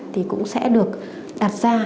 thì cũng sẽ được đặt ra